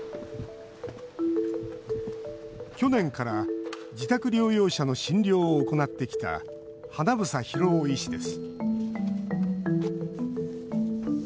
去年から自宅療養者の診療を行ってきた英裕雄医師です